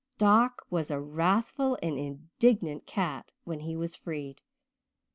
Doc was a wrathful and indignant cat when he was freed.